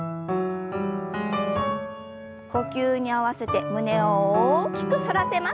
呼吸に合わせて胸を大きく反らせます。